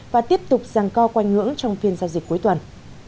và tiếp tục giang co quanh ngưỡng trong phiên giao dịch cuối tuần